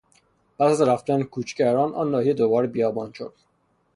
پس از رفتن کوچگران، آن ناحیه دوباره بیابان شد.